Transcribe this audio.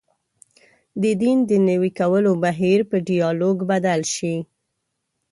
د دین د نوي کولو بهیر په ډیالوګ بدل شي.